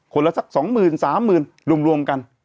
คนละสัก๒๐๐๐๐๓๐๐๐๐รวมกัน